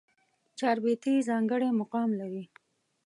چاربېتې ځانګړی مقام لري.